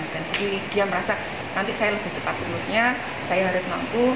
jadi dia merasa nanti saya lebih cepat lulusnya saya harus mampu